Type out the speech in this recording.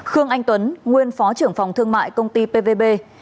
hai khương anh tuấn nguyên phó trưởng phòng thương mại công ty pvb